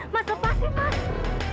mas lepasin mas